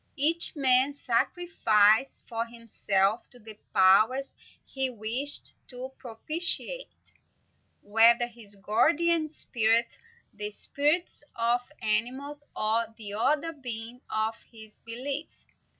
Each man sacrificed for himself to the powers he wished to propitiate, whether his guardian spirit, the spirits of animals, or the other beings of his belief.